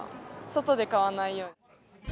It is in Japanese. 外で買わないように。